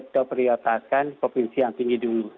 kita prioritaskan provinsi yang tinggi dulu